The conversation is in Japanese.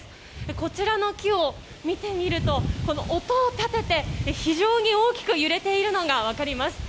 こちらの木を見てみると音を立てて非常に大きく揺れているのが分かります。